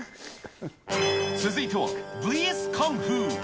続いては、ＶＳカンフー。